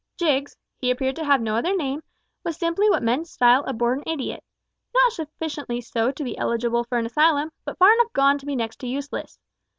Jiggs he appeared to have no other name was simply what men style a born idiot: not sufficiently so to be eligible for an asylum, but far enough gone to be next to useless.